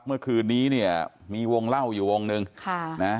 เมื่อคืนนี้เนี่ยมีวงเล่าอยู่วงหนึ่งค่ะนะ